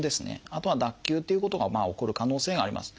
あとは脱臼っていうことが起こる可能性があります。